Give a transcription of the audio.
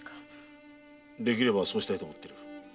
できればそうしたいと思っている。